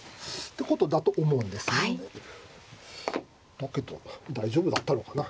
だけど大丈夫だったのかな。